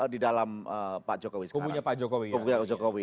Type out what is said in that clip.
di dalam pak jokowi